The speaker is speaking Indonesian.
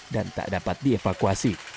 dan tak dapat dievakuasi